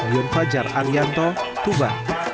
jung fajar angianto tuba